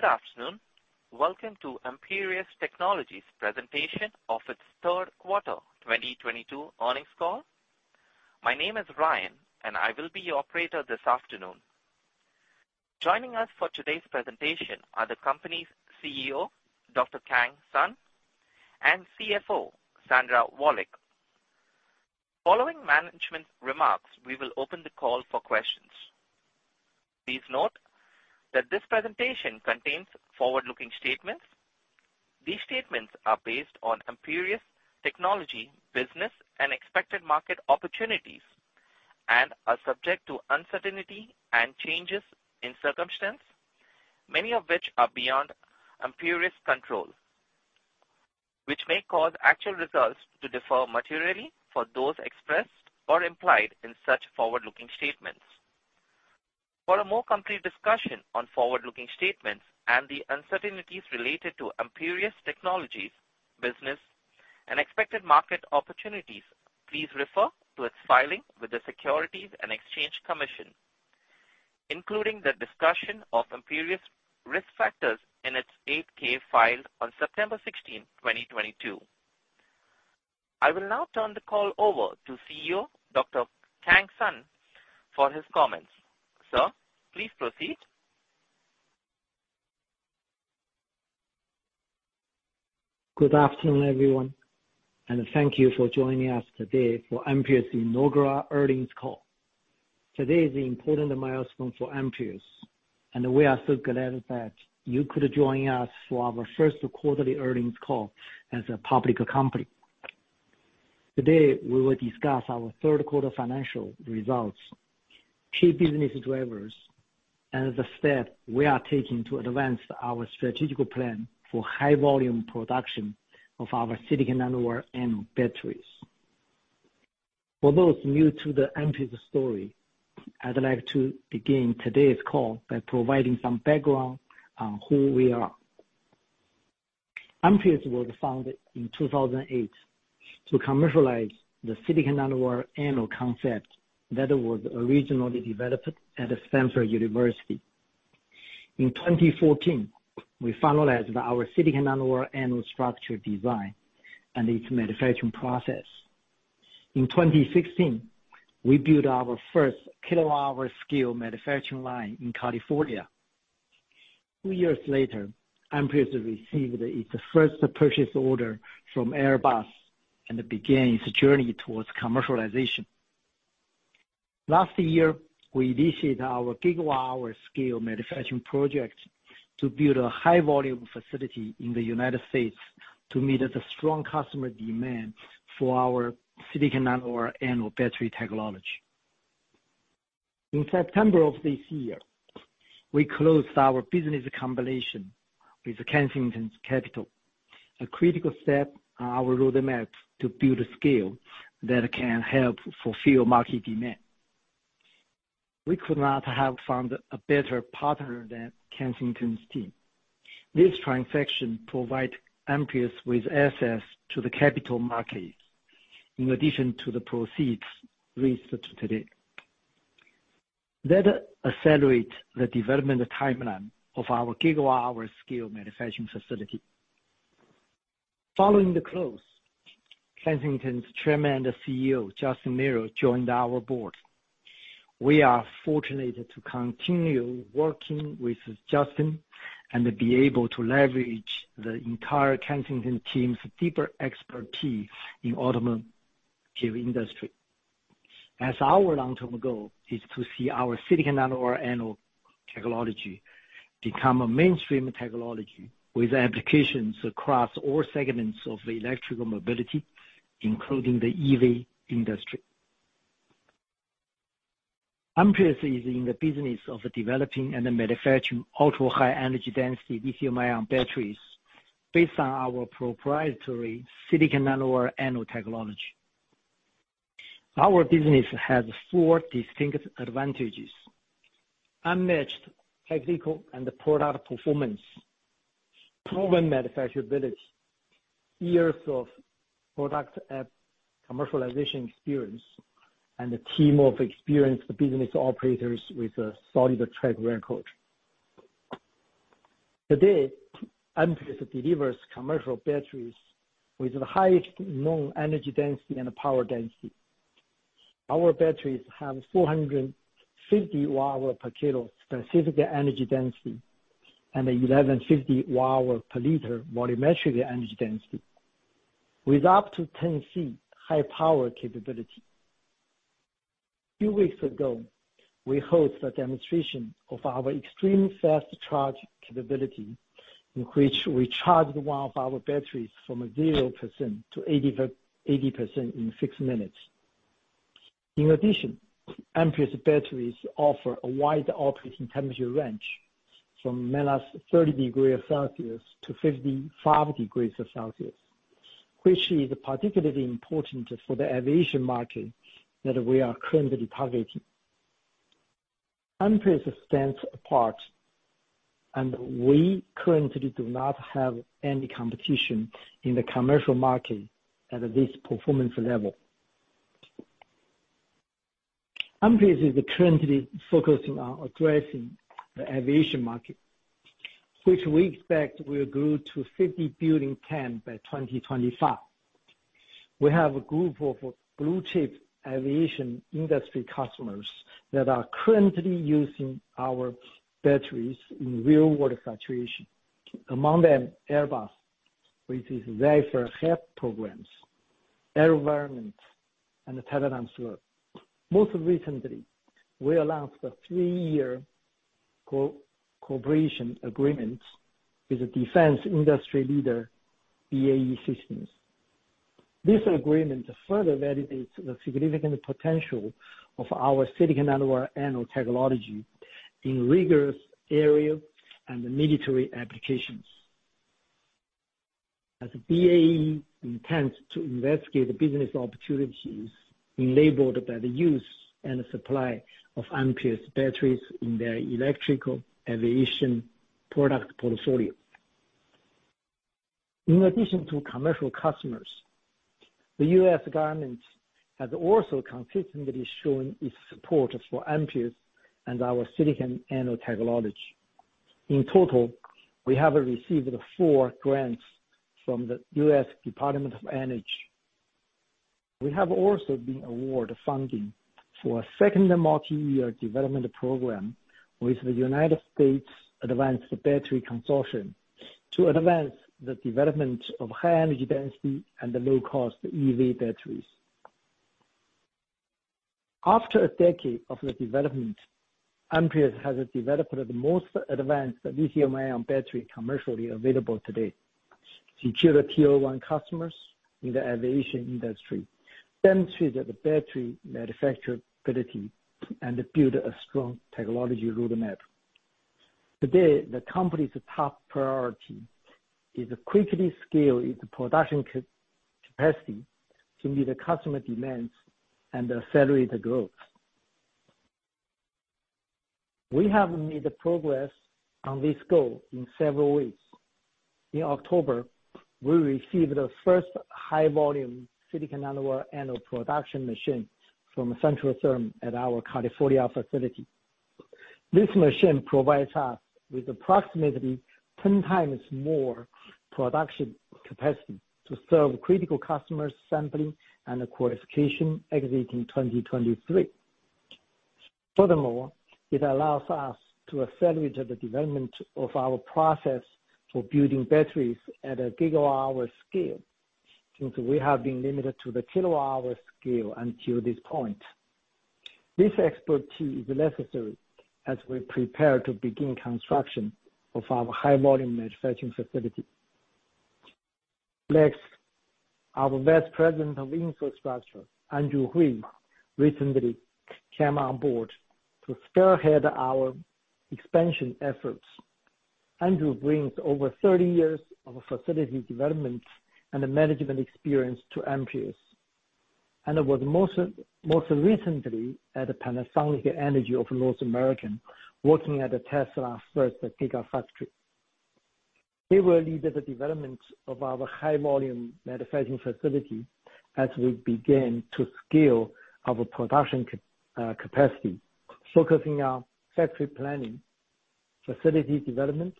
Good afternoon. Welcome to Amprius Technologies presentation of its third quarter 2022 earnings call. My name is Ryan and I will be your operator this afternoon. Joining us for today's presentation are the company's CEO, Dr. Kang Sun, and CFO, Sandra Wallach. Following management remarks, we will open the call for questions. Please note that this presentation contains forward-looking statements. These statements are based on Amprius Technologies' business and expected market opportunities, and are subject to uncertainty and changes in circumstance, many of which are beyond Amprius' control, which may cause actual results to differ materially for those expressed or implied in such forward-looking statements. For a more complete discussion on forward-looking statements and the uncertainties related to Amprius Technologies' business, and expected market opportunities, please refer to its filing with the Securities and Exchange Commission, including the discussion of Amprius risk factors in its 8-K filed on September 16, 2022. I will now turn the call over to CEO Dr. Kang Sun for his comments. Sir, please proceed. Good afternoon, everyone, and thank you for joining us today for Amprius' inaugural earnings call. Today is an important milestone for Amprius, and we are so glad that you could join us for our first quarterly earnings call as a public company. Today, we will discuss our third quarter financial results, key business drivers, and the steps we are taking to advance our strategic plan for high volume production of our silicon anode batteries. For those new to the Amprius story, I'd like to begin today's call by providing some background on who we are. Amprius was founded in 2008 to commercialize the silicon anode concept that was originally developed at Stanford University. In 2014, we finalized our silicon anode structure design and its manufacturing process. In 2016, we built our first kilowatt-hour scale manufacturing line in California. Two years later, Amprius received its first purchase order from Airbus and began its journey towards commercialization. Last year, we initiated our gigawatt-hour scale manufacturing project to build a high volume facility in the United States to meet the strong customer demand for our silicon anode battery technology. In September of this year, we closed our business combination with Kensington Capital, a critical step on our roadmap to build scale that can help fulfill market demand. We could not have found a better partner than Kensington's team. This transaction provide Amprius with access to the capital markets in addition to the proceeds raised to date. That accelerate the development timeline of our gigawatt-hour scale manufacturing facility. Following the close, Kensington's chairman and CEO, Justin Mirro, joined our board. We are fortunate to continue working with Justin and be able to leverage the entire Kensington team's deeper expertise in automotive industry, as our long-term goal is to see our silicon anode technology become a mainstream technology with applications across all segments of electrical mobility, including the EV industry. Amprius is in the business of developing and manufacturing ultra-high energy density lithium-ion batteries based on our proprietary silicon anode technology. Our business has four distinct advantages. Unmatched technical and product performance, proven manufacturability, years of product and commercialization experience, and a team of experienced business operators with a solid track record. Today, Amprius delivers commercial batteries with the highest known energy density and power density. Our batteries have 450 watt-hour per kilo specific energy density and 1,150 watt-hour per liter volumetric energy density with up to 10C high power capability. few weeks ago, we hosted a demonstration of our extremely fast charge capability, in which we charged one of our batteries from 0% to 80% in six minutes. In addition, Amprius batteries offer a wide operating temperature range from minus 30 degrees Celsius to 55 degrees Celsius, which is particularly important for the aviation market that we are currently targeting. Amprius stands apart, and we currently do not have any competition in the commercial market at this performance level. Amprius is currently focusing on addressing the aviation market, which we expect will grow to $50 billion TAM by 2025. We have a group of blue-chip aviation industry customers that are currently using our batteries in real-world situations. Among them, Airbus, which is Zephyr HAPS programs, AeroVironment, and Teledyne FLIR. Most recently, we announced a three-year cooperation agreement with the defense industry leader BAE Systems. This agreement further validates the significant potential of our silicon anode technology in rigorous aero and military applications. As BAE intends to investigate the business opportunities enabled by the use and supply of Amprius batteries in their electrical aviation product portfolio. In addition to commercial customers, the U.S. government has also consistently shown its support for Amprius and our silicon anode technology. In total, we have received four grants from the U.S. Department of Energy. We have also been awarded funding for a second multi-year development program with the United States Advanced Battery Consortium to advance the development of high-energy density and low-cost EV batteries. After a decade of the development, Amprius has developed the most advanced lithium-ion battery commercially available today to tier one customers in the aviation industry, demonstrated the battery manufacturability, and build a strong technology roadmap. Today, the company's top priority is to quickly scale its production capacity to meet the customer demands and accelerate growth. We have made progress on this goal in several ways. In October, we received the first high-volume silicon anode production machine from Centrotherm at our California facility. This machine provides us with approximately 10 times more production capacity to serve critical customers sampling and qualification exiting 2023. Furthermore, it allows us to accelerate the development of our process for building batteries at a gigawatt-hour scale, since we have been limited to the kilowatt-hour scale until this point. This expertise is necessary as we prepare to begin construction of our high-volume manufacturing facility. Next, our Vice President of Infrastructure, Andrew Huie, recently came on board to spearhead our expansion efforts. Andrew Huie brings over 30 years of facility development and management experience to Amprius, and was most recently at Panasonic Energy of North America working at the Tesla first Gigafactory. He will lead the development of our high-volume manufacturing facility as we begin to scale our production capacity, focusing on factory planning, facility development,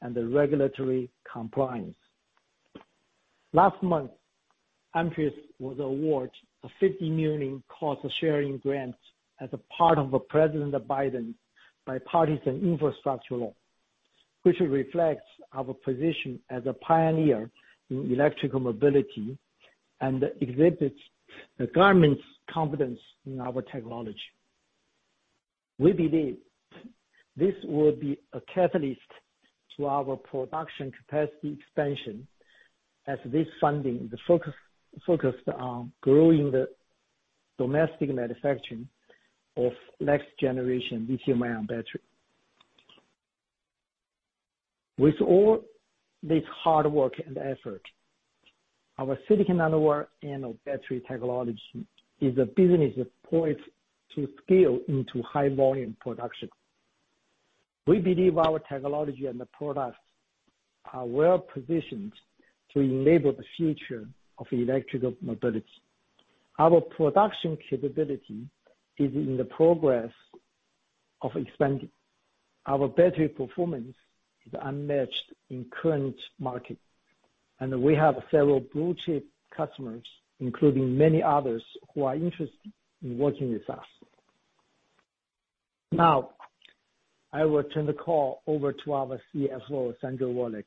and regulatory compliance. Last month, Amprius was awarded a $50 million cost-sharing grant as a part of President Biden's Bipartisan Infrastructure Law, which reflects our position as a pioneer in electrical mobility and exhibits the government's confidence in our technology. We believe this will be a catalyst to our production capacity expansion as this funding is focused on growing the domestic manufacturing of next-generation lithium-ion battery. With all this hard work and effort, our silicon anode battery technology is a business poised to scale into high-volume production. We believe our technology and the products are well-positioned to enable the future of electrical mobility. Our production capability is in the progress of expanding. Our battery performance is unmatched in current market, and we have several blue-chip customers, including many others, who are interested in working with us. Now, I will turn the call over to our CFO, Sandra Wallach,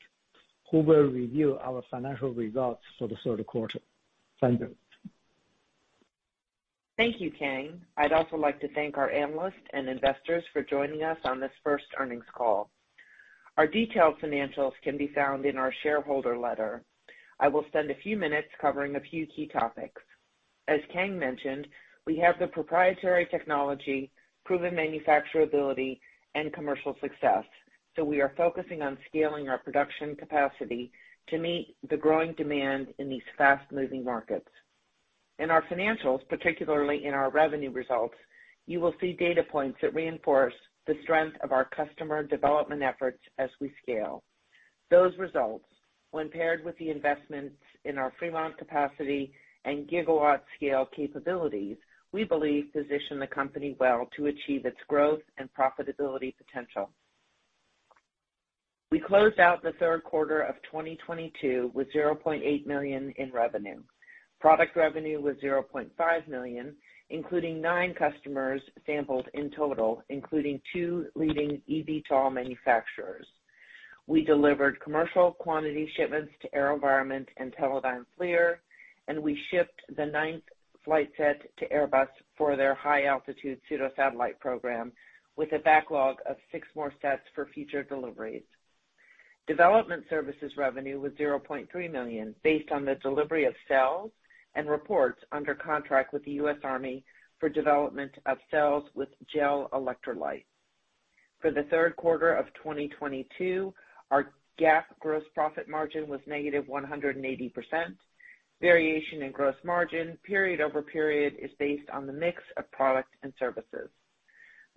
who will review our financial results for the third quarter. Sandra? Thank you, Kang. I'd also like to thank our analysts and investors for joining us on this first earnings call. Our detailed financials can be found in our shareholder letter. I will spend a few minutes covering a few key topics. As Kang mentioned, we have the proprietary technology, proven manufacturability, and commercial success. We are focusing on scaling our production capacity to meet the growing demand in these fast-moving markets. In our financials, particularly in our revenue results, you will see data points that reinforce the strength of our customer development efforts as we scale. Those results, when paired with the investments in our Fremont capacity and gigawatt scale capabilities, we believe position the company well to achieve its growth and profitability potential. We closed out the third quarter of 2022 with $0.8 million in revenue. Product revenue was $0.5 million, including 9 customers sampled in total, including 2 leading EVTOL manufacturers. We delivered commercial quantity shipments to AeroVironment and Teledyne FLIR, and we shipped the 9th flight set to Airbus for their high-altitude pseudo-satellite program with a backlog of 6 more sets for future deliveries. Development services revenue was $0.3 million based on the delivery of cells and reports under contract with the U.S. Army for development of cells with gel electrolytes. For the third quarter of 2022, our GAAP gross profit margin was negative 180%. Variation in gross margin period-over-period is based on the mix of products and services.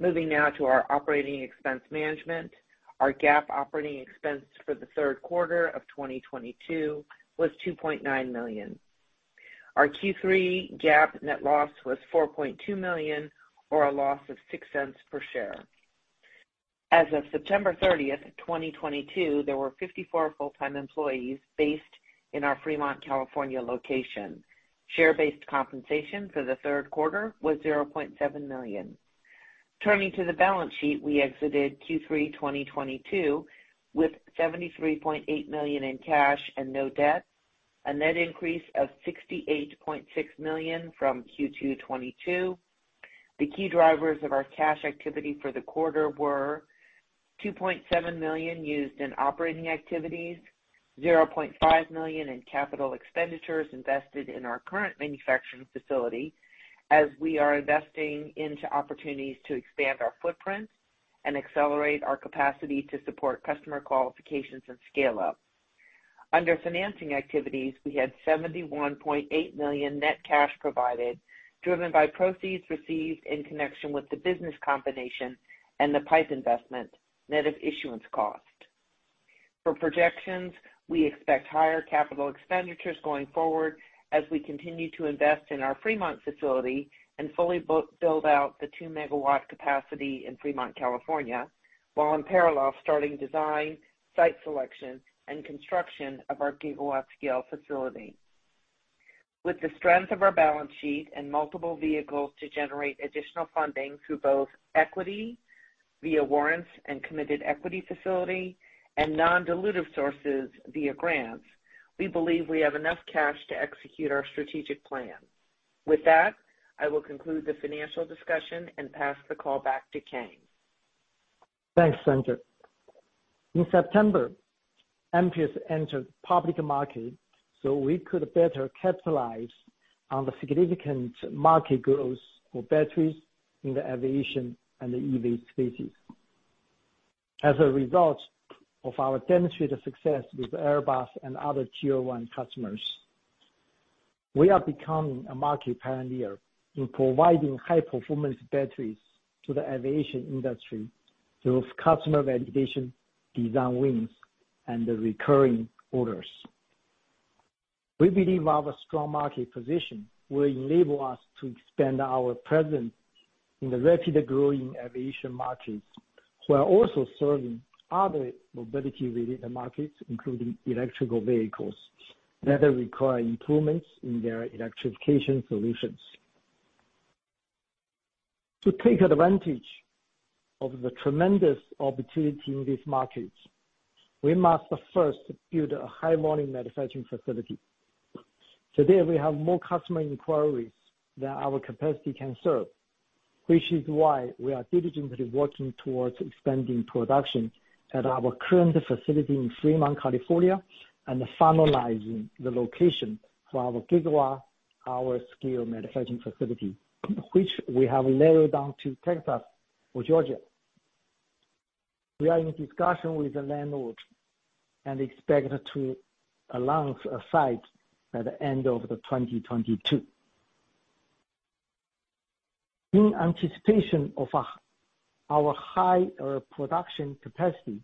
Moving now to our operating expense management. Our GAAP operating expense for the third quarter of 2022 was $2.9 million. Our Q3 GAAP net loss was $4.2 million or a loss of $0.06 per share. As of September 30, 2022, there were 54 full-time employees based in our Fremont, California location. Share-based compensation for the third quarter was $0.7 million. Turning to the balance sheet, we exited Q3 2022 with $73.8 million in cash and no debt, a net increase of $68.6 million from Q2 2022. The key drivers of our cash activity for the quarter were $2.7 million used in operating activities, $0.5 million in capital expenditures invested in our current manufacturing facility as we are investing into opportunities to expand our footprint and accelerate our capacity to support customer qualifications and scale-up. Under financing activities, we had $71.8 million net cash provided, driven by proceeds received in connection with the business combination and the PIPE investment net of issuance cost. For projections, we expect higher capital expenditures going forward as we continue to invest in our Fremont facility and fully build out the 2-megawatt capacity in Fremont, California, while in parallel, starting design, site selection and construction of our gigawatt-scale facility. With the strength of our balance sheet and multiple vehicles to generate additional funding through both equity via warrants and committed equity facility and non-dilutive sources via grants, we believe we have enough cash to execute our strategic plan. With that, I will conclude the financial discussion and pass the call back to Kang. Thanks, Sandra. In September, Amprius entered public market so we could better capitalize on the significant market growth for batteries in the aviation and the EV spaces. As a result of our demonstrated success with Airbus and other tier one customers, we are becoming a market pioneer in providing high-performance batteries to the aviation industry through customer validation, design wins, and the recurring orders. We believe our strong market position will enable us to expand our presence in the rapidly growing aviation markets, while also serving other mobility-related markets, including electric vehicles that require improvements in their electrification solutions. To take advantage of the tremendous opportunity in these markets, we must first build a high-volume manufacturing facility. Today, we have more customer inquiries than our capacity can serve, which is why we are diligently working towards expanding production at our current facility in Fremont, California, and finalizing the location for our gigawatt hour scale manufacturing facility, which we have narrowed down to Texas or Georgia. We are in discussion with the landlord and expect to announce a site by the end of 2022. In anticipation of our high production capacity,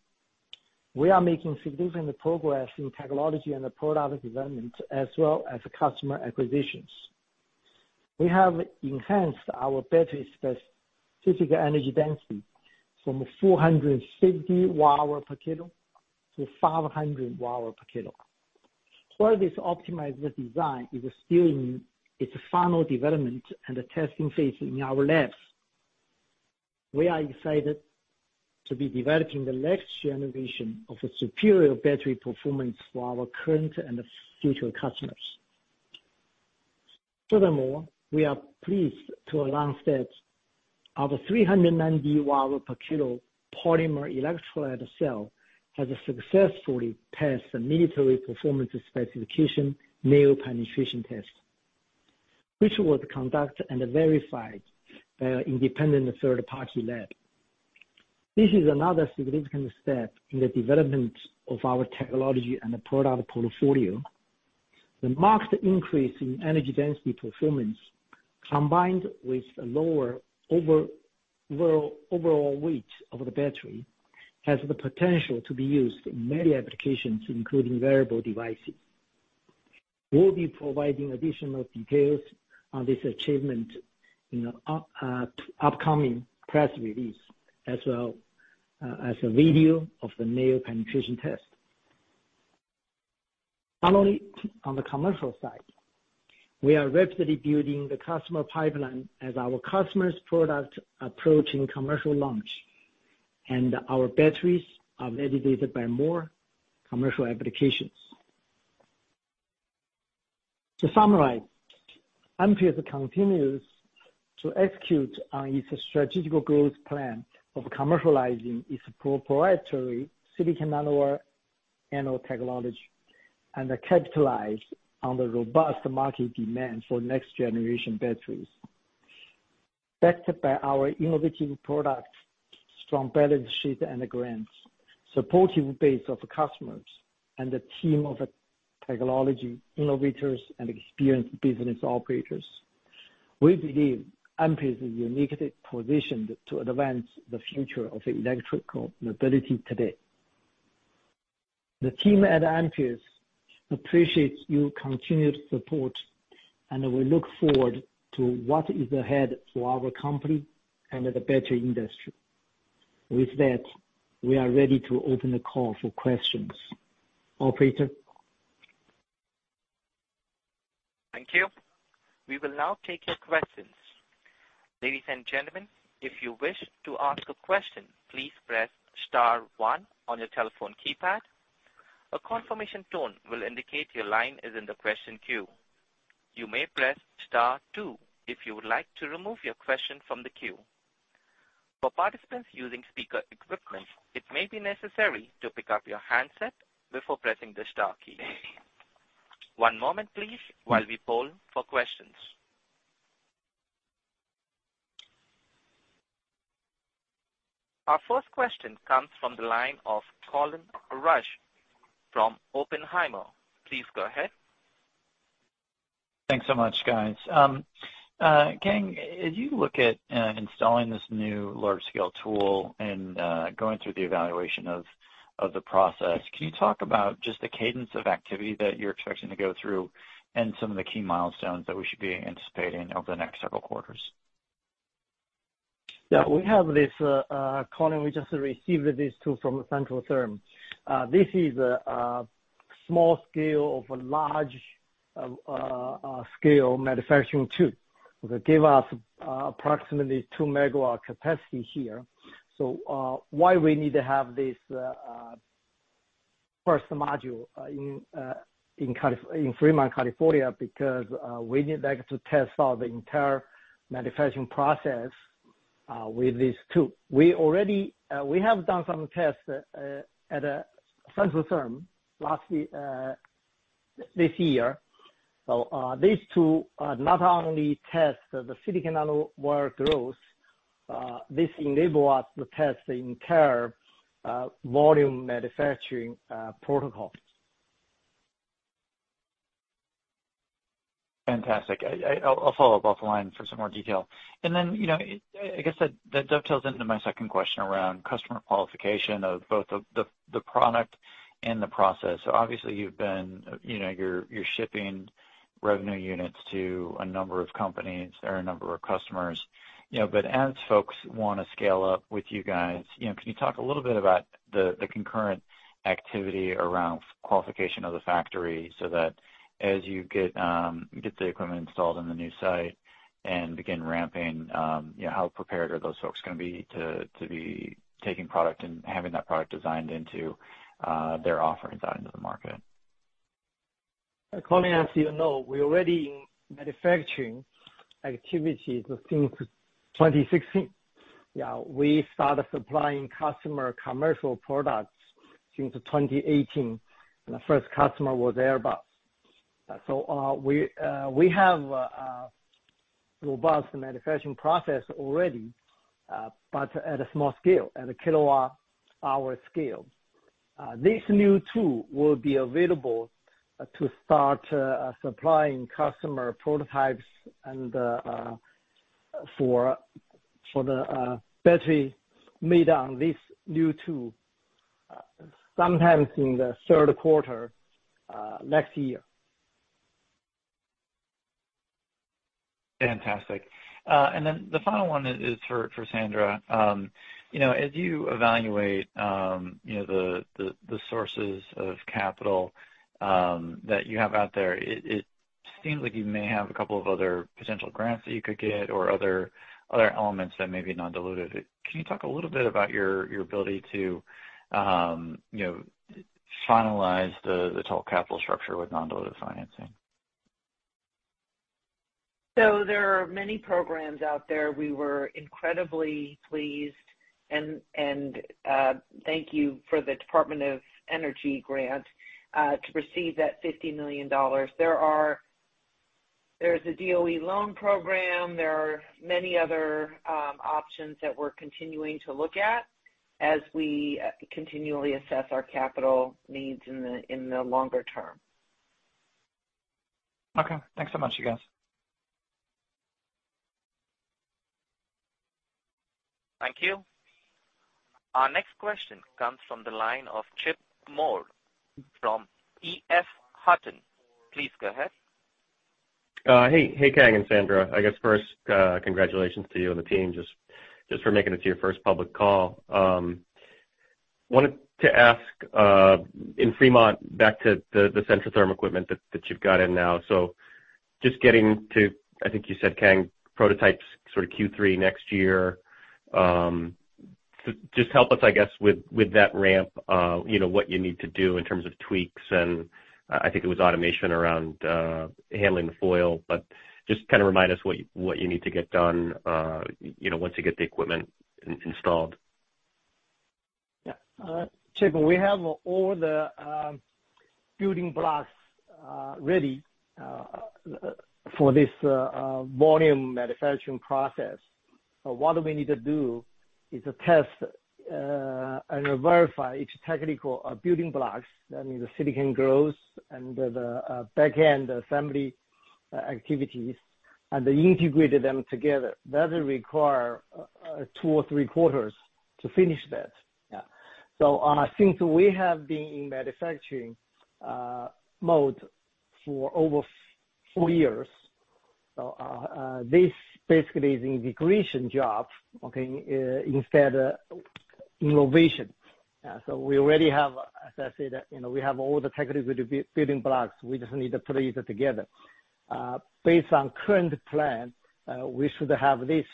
we are making significant progress in technology and product development as well as customer acquisitions. We have enhanced our battery specific energy density from 450 watt-hour per kilo to 500 watt-hour per kilo. While this optimized design is still in its final development and testing phase in our labs, we are excited to be developing the next generation of a superior battery performance for our current and future customers. Furthermore, we are pleased to announce that our 390 watt-hour per kilo polymer electrolyte cell has successfully passed the military performance specification nail penetration test, which was conducted and verified by an independent third party lab. This is another significant step in the development of our technology and product portfolio. The marked increase in energy density performance, combined with a lower overall weight of the battery, has the potential to be used in many applications, including wearable devices. We'll be providing additional details on this achievement in a upcoming press release, as well as a video of the nail penetration test. Finally, on the commercial side, we are rapidly building the customer pipeline as our customers' product approaching commercial launch, and our batteries are validated by more commercial applications. To summarize, Amprius continues to execute on its strategic growth plan of commercializing its proprietary silicon nanowire anode technology and capitalize on the robust market demand for next-generation batteries. Backed by our innovative products, strong balance sheet and grants, supportive base of customers and a team of technology innovators and experienced business operators, we believe Amprius is uniquely positioned to advance the future of electrical mobility today. The team at Amprius appreciates your continued support, and we look forward to what is ahead for our company and the battery industry. With that, we are ready to open the call for questions. Operator? Thank you. We will now take your questions. Ladies and gentlemen, if you wish to ask a question, please press *1 on your telephone keypad. A confirmation tone will indicate your line is in the question queue. You may press *2 if you would like to remove your question from the queue. For participants using speaker equipment, it may be necessary to pick up your handset before pressing the * key. One moment please while we poll for questions. Our first question comes from the line of Colin Rusch from Oppenheimer. Please go ahead. Thanks so much, guys. As you look at installing this new large-scale tool and going through the evaluation of the process, can you talk about just the cadence of activity that you're expecting to go through and some of the key milestones that we should be anticipating over the next several quarters? We have this, Colin, we just received this tool from Centrotherm. This is a small scale of a large scale manufacturing tool that give us approximately 2 megawatt capacity here. Why we need to have this first module in Fremont, California, because we need like to test out the entire manufacturing process with this tool. We already have done some tests at Centrotherm last year, this year. These two not only test the silicon nanowire growth, this enable us to test the entire volume manufacturing protocol. Fantastic. I'll follow up off the line for some more detail. Then, you know, I guess that dovetails into my second question around customer qualification of both the product and the process. Obviously you've been, you know, you're shipping revenue units to a number of companies or a number of customers, you know. As folks wanna scale up with you guys, you know, can you talk a little bit about the concurrent activity around qualification of the factory so that as you get the equipment installed on the new site and begin ramping, you know, how prepared are those folks gonna be to be taking product and having that product designed into their offerings out into the market? Colin, as you know, we're already in manufacturing activities since 2016. We started supplying customer commercial products since 2018, and the first customer was Airbus. We have a robust manufacturing process already, but at a small scale, at a kilowatt hour scale. This new tool will be available to start supplying customer prototypes and for the battery made on this new tool, sometimes in the third quarter next year. Fantastic. Then the final one is for Sandra. You know, as you evaluate, you know, the sources of capital that you have out there, it seems like you may have a couple of other potential grants that you could get or other elements that may be non-dilutive. Can you talk a little bit about your ability to, you know, finalize the total capital structure with non-dilutive financing? There are many programs out there. We were incredibly pleased, thank you for the Department of Energy grant to receive that $50 million. There's a DOE loan program. There are many other options that we're continuing to look at as we continually assess our capital needs in the longer term. Okay. Thanks so much, you guys. Thank you. Our next question comes from the line of Chip Moore from EF Hutton. Please go ahead. Hey, Kang and Sandra. I guess first, congratulations to you and the team just for making it to your first public call. Wanted to ask, in Fremont back to the Centrotherm equipment that you've got in now. Just getting to, I think you said Kang prototypes sort of Q3 next year. Just help us, I guess, with that ramp, you know, what you need to do in terms of tweaks, and I think it was automation around handling the foil. Just kinda remind us what you need to get done, you know, once you get the equipment installed. Chip, we have all the building blocks ready for this volume manufacturing process. What we need to do is to test and verify each technical building blocks. That means the silicon growth and the back-end assembly activities, and then integrate them together. That will require two or three quarters to finish that. Since we have been in manufacturing mode for over four years, this basically is integration job, okay, instead innovation. We already have, as I said, you know, we have all the technical building blocks. We just need to put it together. Based on current plan, we should have this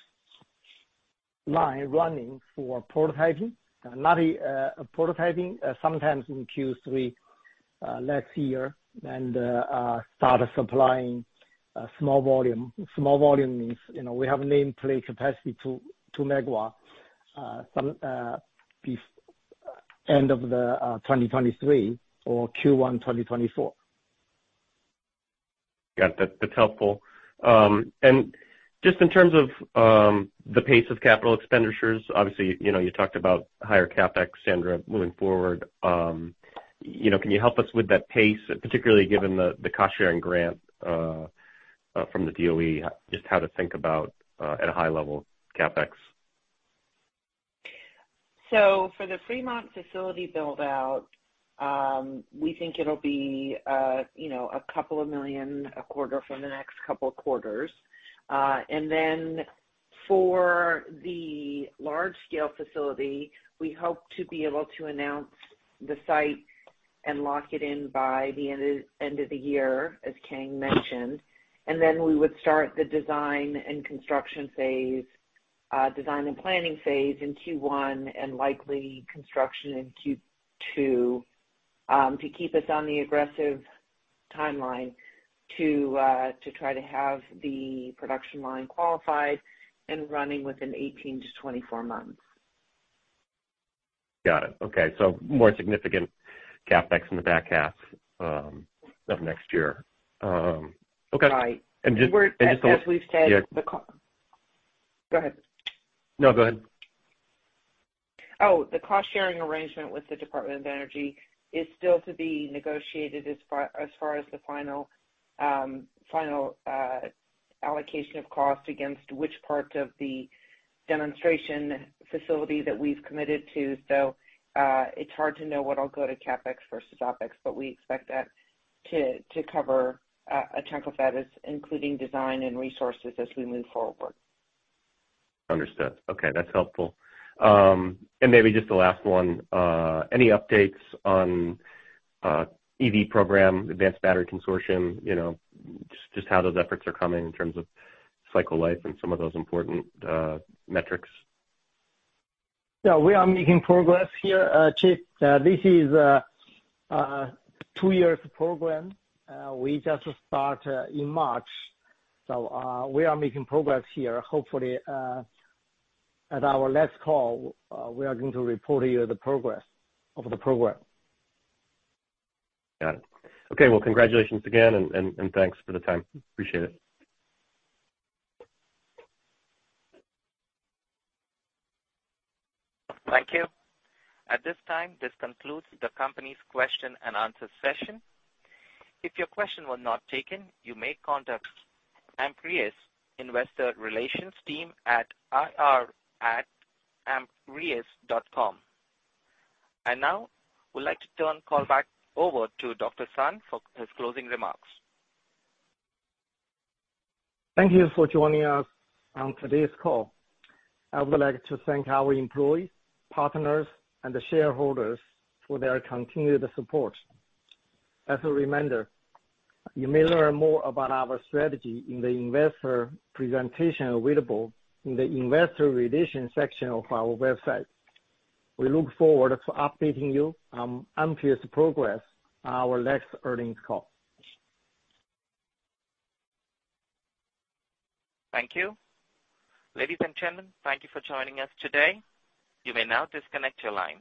line running for prototyping sometime in Q3 last year and start supplying small volume. Small volume means, you know, we have nameplate capacity to megawatt end of the 2023 or Q1 2024. Got it. That's helpful. Just in terms of the pace of capital expenditures, obviously, you know, you talked about higher CapEx, Sandra, moving forward. You know, can you help us with that pace, particularly given the cost sharing grant from the DOE, just how to think about at a high level CapEx? For the Fremont facility build-out, we think it'll be, you know, $2 million a quarter for the next couple quarters. For the large scale facility, we hope to be able to announce the site and lock it in by the end of the year, as Kang mentioned. We would start the design and planning phase in Q1 and likely construction in Q2, to keep us on the aggressive timeline to try to have the production line qualified and running within 18-24 months. Got it. Okay. More significant CapEx in the back half of next year. Okay. Right. And just- We're, as we've said. Go ahead. No, go ahead. Oh, the cost-sharing arrangement with the Department of Energy is still to be negotiated as far as the final allocation of cost against which part of the demonstration facility that we've committed to. It's hard to know what'll go to CapEx versus OpEx, but we expect that to cover a chunk of that including design and resources as we move forward. Understood. Okay. That's helpful. Maybe just the last one. Any updates on EV program, Advanced Battery Consortium, you know, just how those efforts are coming in terms of cycle life and some of those important metrics? We are making progress here, Chip. This is a two years program. We just start in March. We are making progress here. Hopefully, at our last call, we are going to report to you the progress of the program. Got it. Okay. Well, congratulations again, and thanks for the time. Appreciate it. Thank you. At this time, this concludes the company's question-and-answer session. If your question was not taken, you may contact Amprius investor relations team at ir@amprius.com. Now we'd like to turn call back over to Dr. Sun for his closing remarks. Thank you for joining us on today's call. I would like to thank our employees, partners, and the shareholders for their continued support. As a reminder, you may learn more about our strategy in the investor presentation available in the Investor Relations section of our website. We look forward to updating you on Amprius' progress on our next earnings call. Thank you. Ladies and gentlemen, thank you for joining us today. You may now disconnect your lines.